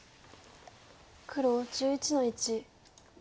黒１１の一。